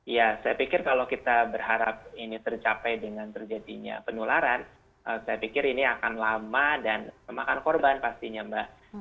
ya saya pikir kalau kita berharap ini tercapai dengan terjadinya penularan saya pikir ini akan lama dan memakan korban pastinya mbak